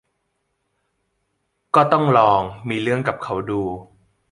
ก็ต้องลองมีเรื่องกับเขาดู